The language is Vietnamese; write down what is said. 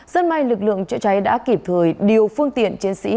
dân may lực lượng chữa cháy đã kịp thời điều phương tiện chiến sĩ